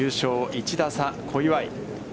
１打差、小祝。